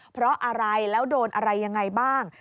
เพราะอะไรแล้วโดนอะไรยังไงบ้าง